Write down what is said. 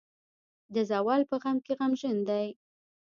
د زوال پۀ غم غمژن دے ۔